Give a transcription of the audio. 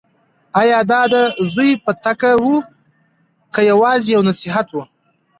ایا دا د زوی پټکه وه که یوازې یو نصیحت و؟